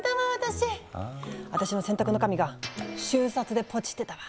私の選択の神が瞬殺でポチってたわ。